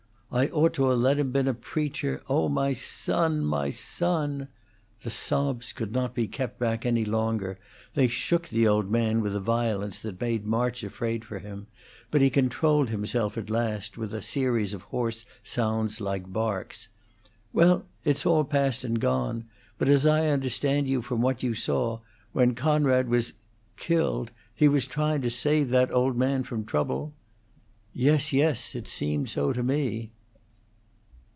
I ought to 'a' let him been a preacher! Oh, my son! my son!" The sobs could not be kept back any longer; they shook the old man with a violence that made March afraid for him; but he controlled himself at last with a series of hoarse sounds like barks. "Well, it's all past and gone! But as I understand you from what you saw, when Coonrod was killed, he was tryin' to save that old man from trouble?" "Yes, yes! It seemed so to me."